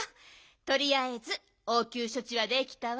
とりあえずおうきゅうしょちはできたわ。